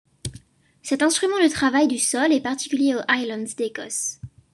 Cet instrument de travail du sol est particulier aux Highlands d'Écosse.